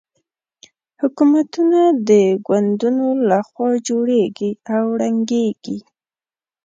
حکومتونه د ګوندونو له خوا جوړېږي او ړنګېږي.